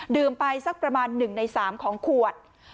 ไปสักประมาณ๑ใน๓ของขวด